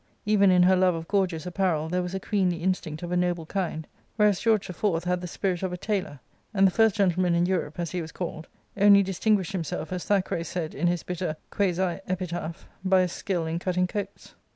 Even in her love of gorgeous appajel there was a queenly instinct of a noble kind ; whereas George the Fourth had the spirit of a tailor, and " the first gentleman in Europe," as he was called, only distin guished himself, as Thackeray said in his bitter quctsi epitaph, " by a skill in cutting coats."